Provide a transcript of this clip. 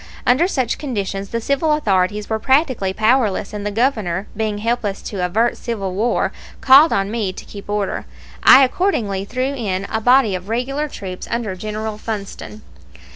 Under such conditions the civil authorities were practically powerless, and the Governor, being helpless to avert civil war, called on me to keep order. I accordingly threw in a body of regular troops under General Funston.